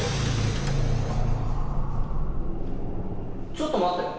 ちょっと待って。